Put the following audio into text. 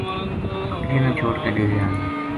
بکریاں نا چھوڈ کے ڈیرے آگیا